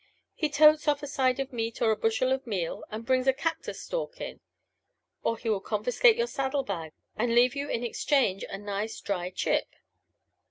He totes off a side of meat or a bushel of meal and brings a cactus stalk in; or he will confiscate your saddlebags and leave you in exchange a nice dry chip.